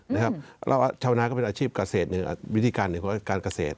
แล้วชาวนาก็เป็นอาชีพเกษตรหนึ่งวิธีการหนึ่งก็คือการเกษตร